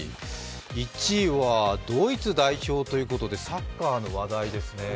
１位はドイツ代表ということでサッカーの話題ですね。